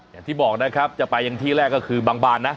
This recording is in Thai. อย่างที่บอกนะครับจะไปยังที่แรกก็คือบางบานนะ